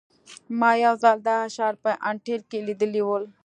ما یو ځل دا شعار په انټیل کې لیدلی و